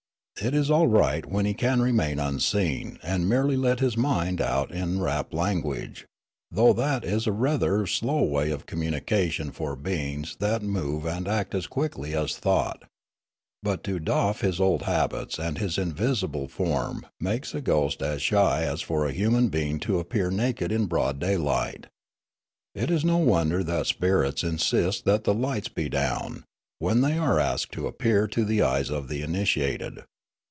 It is all right when he can remain unseen and merely let his mind out in rap language, though that is a rather slow way of communication for beings that move and act as quickly as thought; but to doff his old habits and his invisible form makes a ghost as shy as for a human being to appear naked in broad daylight. It is no wonder that spirits insist that the lights be down, when they are asked to appear to the e}'es of the initiated.